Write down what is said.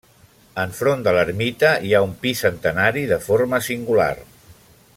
Enfront de l'ermita hi ha un pi centenari de forma singular.